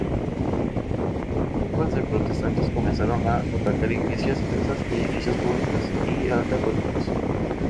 Turbas de protestantes comenzaron a atacar iglesias, casas, edificios públicos y a católicos.